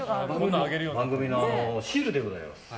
番組のシールでございます。